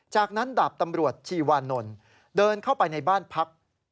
จากนั้นดาบตำรวจชีวานนท์เดินเข้าไปในบ้านพัก